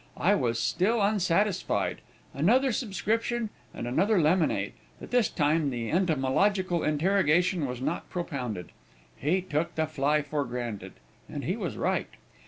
I was still unsatisfied; another subscription, and another lemonade, but this time the entomological interrogation was not propounded he took the fly for granted, and he was right.